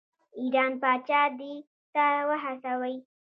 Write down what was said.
ایران پاچا دې ته وهڅوي.